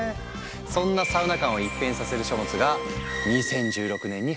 そんなサウナ観を一変させる書物が２０１６年に発表されたんだ。